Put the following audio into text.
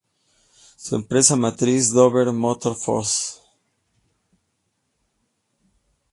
Su empresa matriz, Dover Motorsports, Inc.